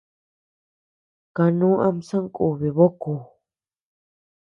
Kanú ama sankubi bakú.